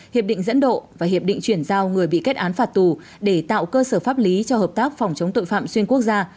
hiệp định dẫn độ và hiệp định chuyển giao người bị kết án phạt tù để tạo cơ sở pháp lý cho hợp tác phòng chống tội phạm xuyên quốc gia